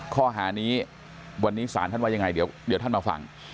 ข้อหานี้วันนี้ศาลท่านว่ายังไงเดี๋ยวท่านมาฟัง